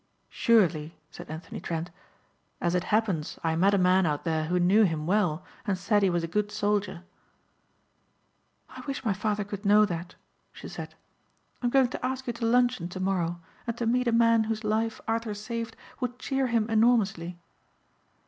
"Surely," said Anthony Trent. "As it happens I met a man out there who knew him well and said he was a good soldier." "I wish my father could know that," she said. "I'm going to ask you to luncheon tomorrow and to meet a man whose life Arthur saved would cheer him enormously.